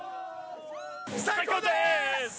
最高です！